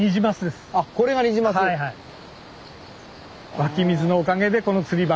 湧き水のおかげでこの釣り場が。